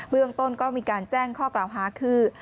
เรื่องต้นก็มีการแจ้งข้อกล่าวหาคือ